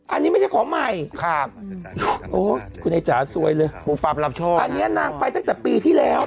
อันนี้ไม่ใช่ของใหม่ครับผู้ปรับเราชอบอันนี้นางไปตั้งแต่ปีที่แล้ว